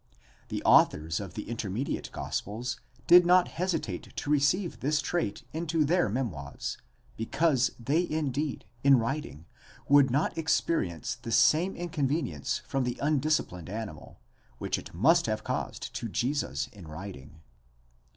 The authors of the intermediate gospels did not hesitate to receive this trait into their memoirs, because they indeed, in writing, would not experience the same inconvenience from the undisciplined animal, which it must have caused to Jesus in riding.